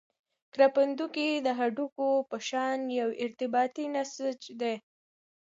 کرپندوکي د هډوکو په شان یو ارتباطي نسج دي.